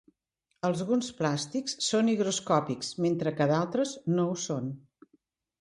Alguns plàstics són higroscòpics, mentre que d'altres no ho són.